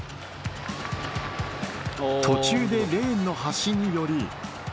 途中でレーンの端に寄り